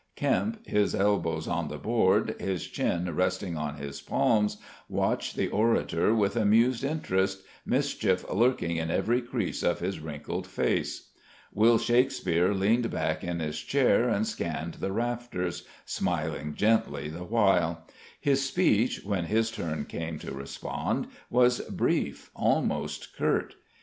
Kempe, his elbows on the board, his chin resting on his palms, watched the orator with amused interest, mischief lurking in every crease of his wrinkled face. Will Shakespeare leaned back in his chair and scanned the rafters, smiling gently the while. His speech, when his turn came to respond, was brief, almost curt.